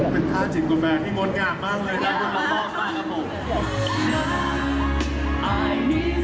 เป็นท่าจิตกลมแบบที่งดงามมากเลยนะครับ